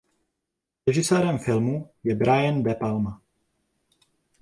Režisérem filmu je Brian De Palma.